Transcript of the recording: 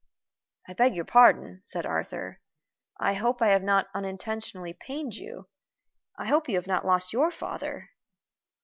"I beg your pardon," said Arthur. "I hope I have not unintentionally pained you. I hope you have not lost your father?"